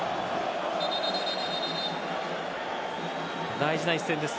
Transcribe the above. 大事な一戦です。